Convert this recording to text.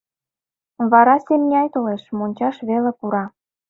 Вара Семняй толеш, мончаш веле пура...